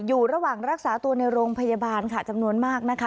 อยู่ระหว่างรักษาตัวในโรงพยาบาลค่ะจำนวนมากนะคะ